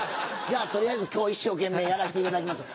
じゃ取りあえず今日一生懸命やらせていただきます。